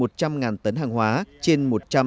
một trăm linh tấn hàng hóa trên